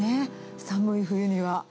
寒い冬には。